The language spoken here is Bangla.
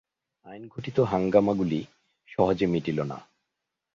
আইনঘটিত হাঙ্গামাগুলি সহজে মিটিল না।